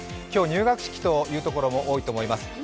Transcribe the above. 今日、入学式というところも多いと思います。